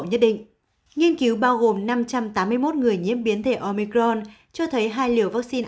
nhất định nghiên cứu bao gồm năm trăm tám mươi một người nhiễm biến thể omicron cho thấy hai liều vaccine